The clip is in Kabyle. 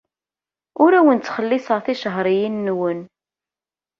Ur awen-ttxelliṣeɣ ticehṛiyin-nwen.